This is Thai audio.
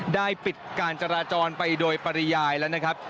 ได้ปิดการจราจรไปโดยปริยายแล้วนะครับ